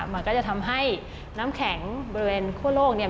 มันก็จะทำให้น้ำแข็งบริเวณคั่วโลกเนี่ย